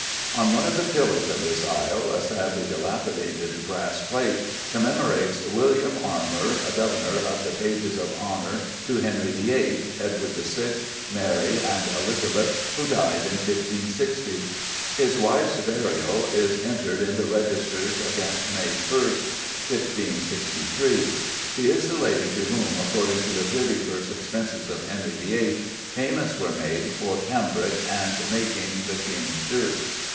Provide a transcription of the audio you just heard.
On one of the pillars of this aisle a sadly dilapidated brass plate commemorates "William Armer, Governor of the Pages of Honor to Henry VIII., Edward VI., Mary, and Elizabeth, who died in 1560." His wife's burial is entered in the registers against May 1, 1563. She is the lady to whom, according to the Privy Purse Expenses of Henry VIII., payments were made "for cambric and makyng y^{e} King's shirts."